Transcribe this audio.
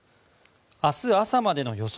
明日、朝までの予想